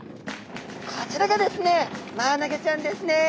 こちらがですねマアナゴちゃんですね。